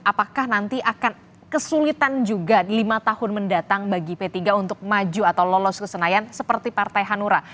apakah nanti akan kesulitan juga lima tahun mendatang bagi p tiga untuk maju atau lolos ke senayan seperti partai hanura